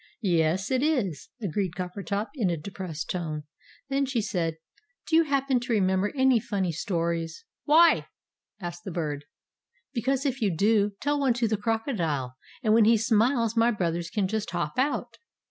"Yes, it is!" agreed Coppertop, in a depressed tone. Then she said, "Do you happen to remember any funny stories?" "Why?" asked the Bird. "Because if you do, tell one to the crocodile, and when he smiles my brothers can just hop out!"